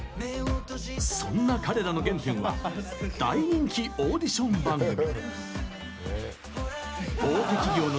そんな彼らの原点は大人気オーディション番組。